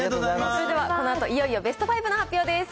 それではこのあと、いよいよベスト５の発表です。